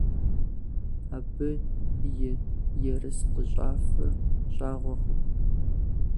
Абы и ерыскъыщӏафэ щӏагъуэкъым.